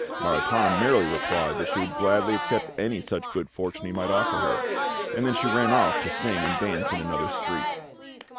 Maritana merrily replied that she would gladly accept any such good fortune he might offer her; and then she ran off to sing and dance in another street.